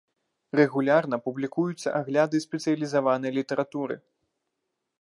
Рэгулярна публікуюцца агляды спецыялізаванай літаратуры.